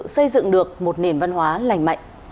xây dựng được một nền văn hóa lành mạnh